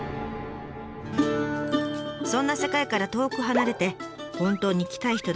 「そんな世界から遠く離れて本当に来たい人だけが来る店。